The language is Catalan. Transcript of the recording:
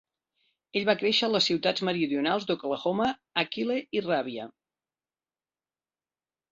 Ell va créixer a les ciutats meridionals d'Oklahoma d'Achille i Ravia.